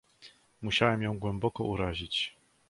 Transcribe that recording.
"Musiałem ją głęboko urazić."